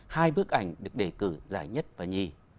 hai bức ảnh được đề cử giải nhất và nhì